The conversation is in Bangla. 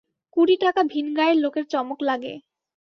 কুড়ি টাকা ভিনগাঁয়ের লোকের চমক লাগে।